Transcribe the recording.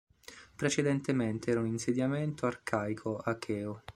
Precedentemente era un insediamento arcaico acheo.